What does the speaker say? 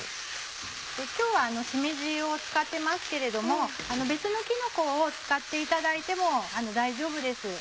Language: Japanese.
今日はしめじを使ってますけれども別のきのこを使っていただいても大丈夫です。